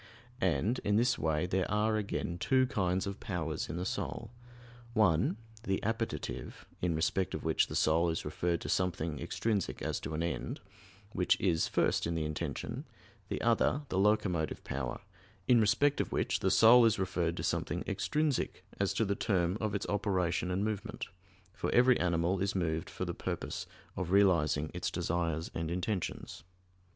And in this way there are again two kinds of powers in the soul: one the "appetitive" in respect of which the soul is referred to something extrinsic as to an end, which is first in the intention; the other the "locomotive" power in respect of which the soul is referred to something extrinsic as to the term of its operation and movement; for every animal is moved for the purpose of realizing its desires and intentions.